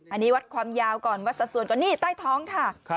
อันนี้วัดความยาวก่อนวัดสัดส่วนก่อนนี่ใต้ท้องค่ะ